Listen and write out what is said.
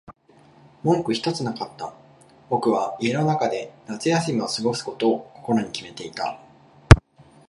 文句ひとつなかった。僕は家の中で夏休みを過ごすことを心に決めていた。